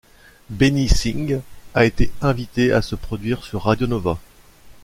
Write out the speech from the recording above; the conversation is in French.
Benny Sings a été invité à se produire sur Radio Nova.